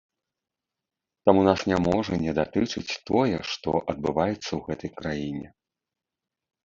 Таму нас не можа не датычыць тое, што адбываецца ў гэтай краіне.